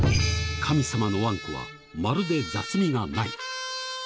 神様のあんこは、まるで雑味がない。